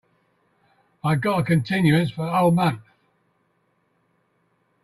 I got a continuance for a whole month.